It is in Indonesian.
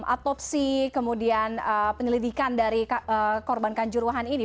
adopsi kemudian penyelidikan dari korban kanjur wahan ini